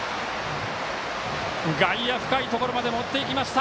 外野、深いところまで持っていきました。